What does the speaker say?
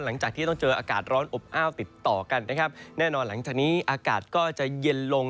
หลังจากที่ต้องเจออากาศร้อนอบอ้าวติดต่อกันนะครับแน่นอนหลังจากนี้อากาศก็จะเย็นลง